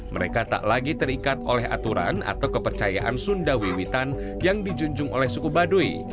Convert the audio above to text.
mereka tak lagi terikat oleh aturan atau kepercayaan sunda wiwitan yang dijunjung oleh suku baduy